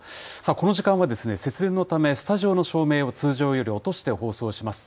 この時間は、節電のためスタジオの照明を通常より落として放送します。